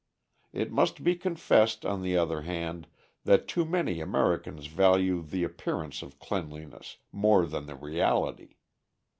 It must be confessed, on the other hand, that too many Americans value the appearance of cleanliness more than the reality.